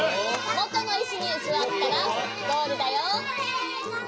もとのいすにすわったらゴールだよ。